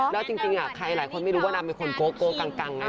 แล้วจริงใครหลายคนไม่รู้ว่านางเป็นคนโกะกังนะ